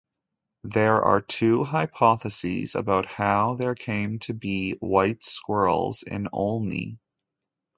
There are two hypotheses about how there came to be white squirrels in Olney.